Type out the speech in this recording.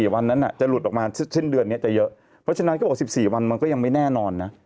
วันนั้นจะหลุดออกมาสิ้นเดือนนี้จะเยอะเพราะฉะนั้นเขาบอก๑๔วันมันก็ยังไม่แน่นอนนะ